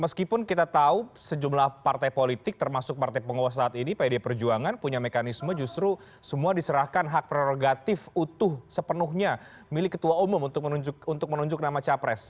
meskipun kita tahu sejumlah partai politik termasuk partai penguasa saat ini pd perjuangan punya mekanisme justru semua diserahkan hak prerogatif utuh sepenuhnya milik ketua umum untuk menunjuk nama capres